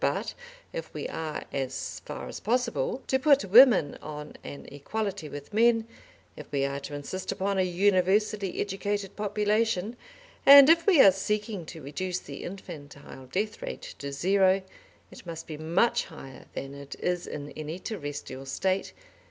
But if we are, as far as possible, to put women on an equality with men, if we are to insist upon a universally educated population, and if we are seeking to reduce the infantile death rate to zero, it must be much higher than it is in any terrestrial State.